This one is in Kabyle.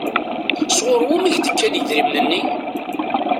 Sɣur wumi i k-d-kan idrimen-nni?